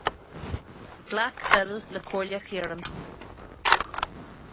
Ghlac Bill le comhairle Chiarán.